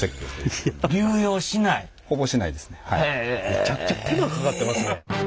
めちゃくちゃ手間かかってますね。